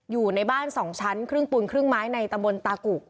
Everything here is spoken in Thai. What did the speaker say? อยู่ในบ้าน๒ชั้นครึ่งปูนครึ่งไม้ในตะบนตากุ